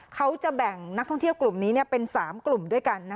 เขาจะแบ่งนักท่องเที่ยวกลุ่มนี้เป็น๓กลุ่มด้วยกัน